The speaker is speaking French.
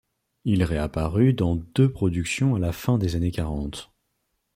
Il réapparut dans deux productions à la fin des années quarante.